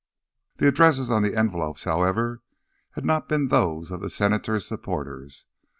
The addresses on the envelopes, however, had not been those of the Senator's supporters.